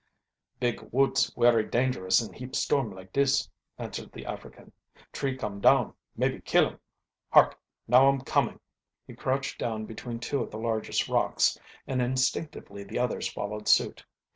"Big woods werry dangerous in heap storm like dis," answered the African. "Tree come down, maybe kill um. Hark! now um comin'!" He crouched down between two of the largest rocks and instinctively the others followed suit.